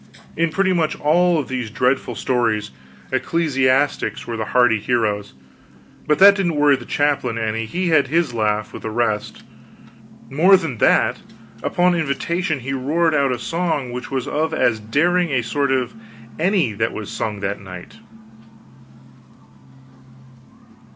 In pretty much all of these dreadful stories, ecclesiastics were the hardy heroes, but that didn't worry the chaplain any, he had his laugh with the rest; more than that, upon invitation he roared out a song which was of as daring a sort as any that was sung that night.